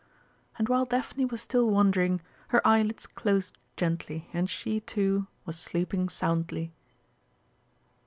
And while Daphne was still wondering, her eyelids closed gently, and she, too, was sleeping soundly.